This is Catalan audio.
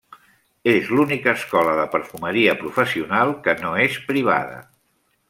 És l'única escola de perfumeria professional que no és privada.